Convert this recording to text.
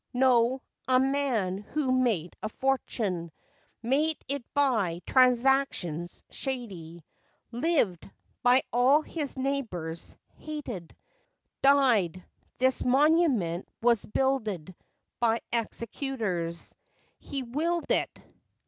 No; a man who made a fortune; Made it by transactions "shady," Lived—by all his neighbors hated ; Died : this monument was builded By executors. He "willed it."